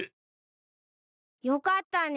よかったね。